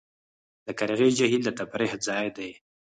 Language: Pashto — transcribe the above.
د قرغې جهیل د تفریح ځای دی